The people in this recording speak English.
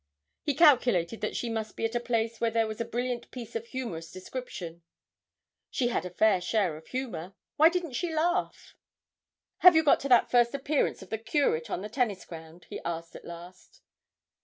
He calculated that she must be at a place where there was a brilliant piece of humorous description; she had a fair share of humour why didn't she laugh? 'Have you got to that first appearance of the Curate on the tennis ground?' he asked at last.